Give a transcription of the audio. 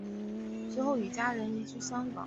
随后与家人移居香港。